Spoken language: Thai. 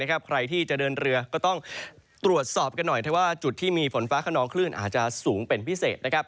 ใครที่จะเดินเรือก็ต้องตรวจสอบกันหน่อยถ้าว่าจุดที่มีฝนฟ้าขนองคลื่นอาจจะสูงเป็นพิเศษ